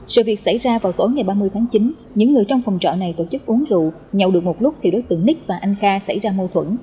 sự việc xảy ra vào tối ngày ba mươi tháng chín những người trong phòng trọ này tổ chức uống rượu nhậu được một lúc thì đối tượng ních và anh kha xảy ra mâu thuẫn